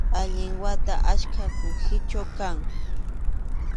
Allin wata ackha kuhichu kan